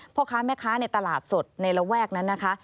พ่อค้าแม่ค้าในตลาดสดในระแวกนั้นนะคะ